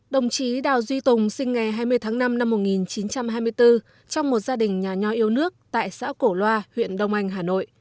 đồng chí đào duy tùng sinh ngày hai mươi tháng năm năm một nghìn chín trăm hai mươi bốn trong một gia đình nhà nho yêu nước tại xã cổ loa huyện đông anh hà nội